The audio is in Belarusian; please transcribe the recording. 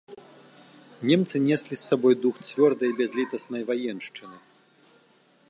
Немцы неслі з сабой дух цвёрдай бязлітаснай ваеншчыны.